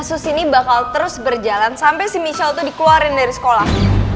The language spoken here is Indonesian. kasus ini bakal terus berjalan sampe si michelle tuh dikeluarin dari sekolah